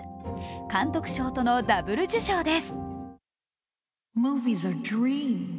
監督賞とのダブル受賞です。